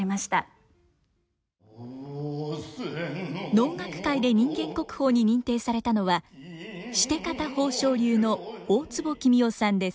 能楽界で人間国宝に認定されたのはシテ方宝生流の大坪喜美雄さんです。